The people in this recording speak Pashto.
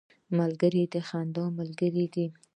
ملګری د خندا ملګری دی